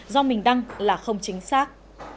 do mình đăng là không chính xác